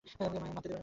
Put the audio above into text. ওকে মরতে দেবেন না।